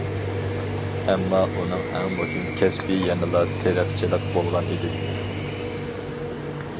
ئەمما ئۇنىڭ ئەڭ مۇھىم كەسپى يەنىلا تېرىقچىلىق بولغان ئىدى.